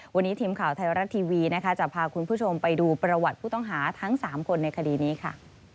วันนี้ทีมข่าวไทยรัฐทีวีนะคะจะพาคุณผู้ชมไปดูประวัติผู้ต้องหาทั้ง๓คนในคดีนี้ค่ะ